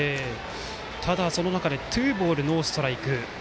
ただ、その中でツーボールノーストライク。